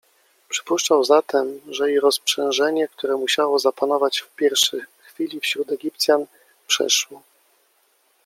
Przypuszczał zatem że i rozprzężenie, które musiało zapanować w pierwszy chwili wśród Egipcjan, przeszło.